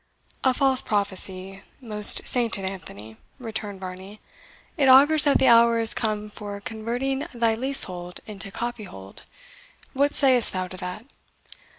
"A false prophecy, most sainted Anthony," returned Varney; "it augurs that the hour is come for converting thy leasehold into copyhold. What sayest thou to that?"